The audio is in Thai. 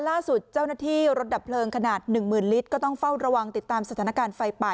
ล่าสุดเจ้าหน้าที่รถดับเพลิงขนาดหนึ่งหมื่นลิตรก็ต้องเฝ้าระวังติดตามสถานการณ์ไฟป่า